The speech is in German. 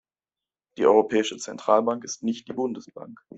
Die Europäische Zentralbank ist nicht die Bundesbank.